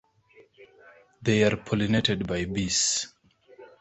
They are pollinated by bees.